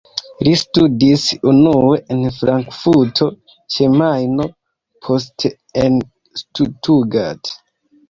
Li studis unue en Frankfurto ĉe Majno, poste en Stuttgart.